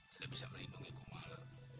jadinya bisa melindungi kumalah